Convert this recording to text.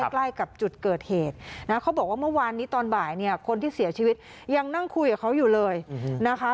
ใกล้กับจุดเกิดเหตุนะเขาบอกว่าเมื่อวานนี้ตอนบ่ายเนี่ยคนที่เสียชีวิตยังนั่งคุยกับเขาอยู่เลยนะคะ